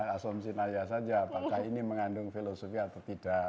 asumsi naya saja apakah ini mengandung filosofi atau tidak